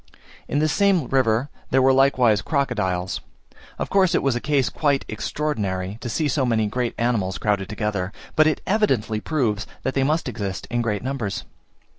In this same river there were likewise crocodiles. Of course it was a case quite extraordinary, to see so many great animals crowded together, but it evidently proves that they must exist in great numbers.